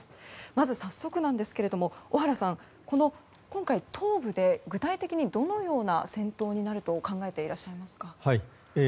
まず、早速なんですが今回、東部で具体的にどのような戦闘になると考えていらっしゃいますか？